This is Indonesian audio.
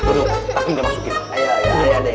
kan gunting masih tajem ini pade